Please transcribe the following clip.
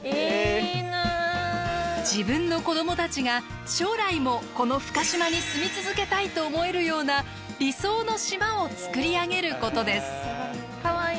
自分の子供たちが将来もこの深島に住み続けたいと思えるような理想の島をつくり上げることです。